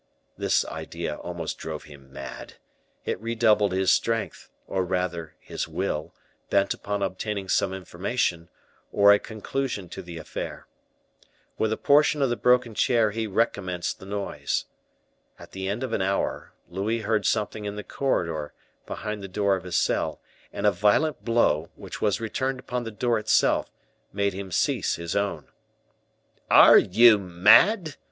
This idea almost drove him mad; it redoubled his strength, or rather his will, bent upon obtaining some information, or a conclusion to the affair. With a portion of the broken chair he recommenced the noise. At the end of an hour, Louis heard something in the corridor, behind the door of his cell, and a violent blow, which was returned upon the door itself, made him cease his own. "Are you mad?"